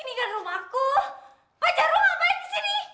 ini kan rumahku pajak rumah apa yang disini